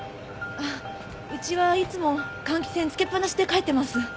あっうちはいつも換気扇つけっぱなしで帰ってます。